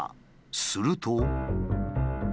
すると。